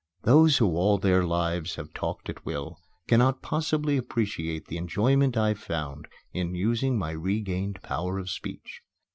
Those who all their lives have talked at will cannot possibly appreciate the enjoyment I found in using my regained power of speech.